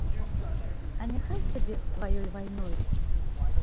А няхай цябе з тваёй вайной.